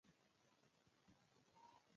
په پښتو ژبه د سافټویر جوړولو هڅې کمې دي.